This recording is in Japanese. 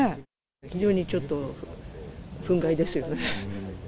非常にちょっと憤慨ですよね。